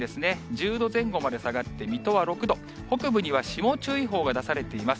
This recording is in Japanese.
１０度前後まで下がって水戸は６度、北部には霜注意報が出されています。